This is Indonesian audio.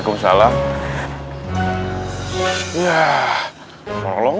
kenain badan aku lagi